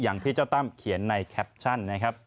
อย่างพี่เจ้าตั้มเขียนในแคปชั่น